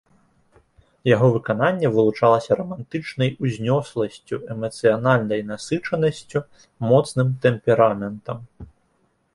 Яго выкананне вылучалася рамантычнай узнёсласцю, эмацыянальнай насычанасцю, моцным тэмпераментам.